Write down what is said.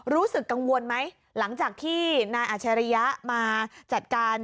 รู้สึกกังวลไหมหลังจากที่นายอัชริยะมาจัดการ